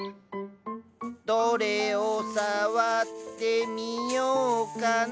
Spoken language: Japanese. どれを触ってみようかな。